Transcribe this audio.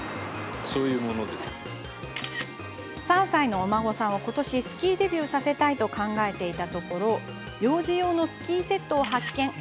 ３歳のお孫さんをことしスキーデビューさせたいと考えていたところ幼児用のスキーセットを発見。